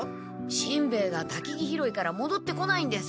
しんべヱがたきぎ拾いからもどってこないんです。